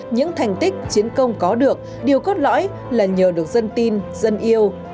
những thành tích chiến công có được điều cốt lõi là nhờ được dân tin dân yêu